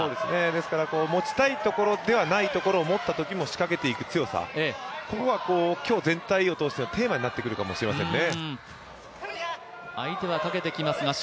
ですから持ちたいところではないところも持ったときに仕掛けていく強さここは今日全体を通してのテーマになってくるかもしれませんね。